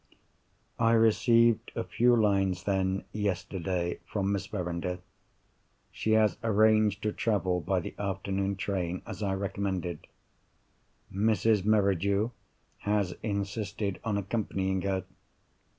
I received a few lines then, yesterday, from Miss Verinder. She has arranged to travel by the afternoon train, as I recommended. Mrs. Merridew has insisted on accompanying her.